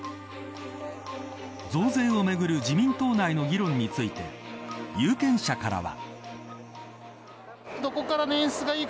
増税をめぐる自民党内の議論について有権者からは。